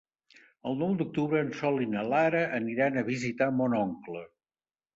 El nou d'octubre en Sol i na Lara aniran a visitar mon oncle.